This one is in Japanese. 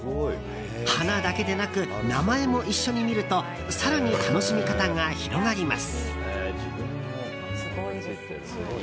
花だけでなく名前も一緒に見ると更に楽しみ方が広がります。